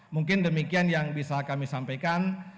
mungkin demikian yang bisa kami sampaikan